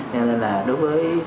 nên là đối với